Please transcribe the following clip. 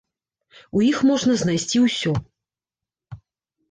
У іх можна знайсці ўсё.